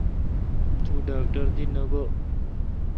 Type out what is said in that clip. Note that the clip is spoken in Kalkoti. توڈاکٹر دی نہ گوا؟